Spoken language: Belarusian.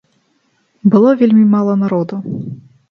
Было вельмі мала народу.